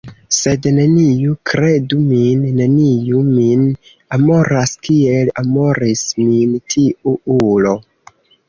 Sed neniu, kredu min, neniu min amoras kiel amoris min tiu ulo.